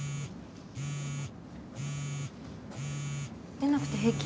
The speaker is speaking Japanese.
出なくて平気？